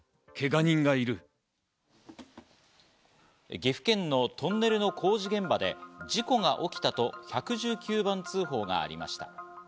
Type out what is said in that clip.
岐阜県のトンネルの工事現場で事故が起きたと１１９番通報がありました。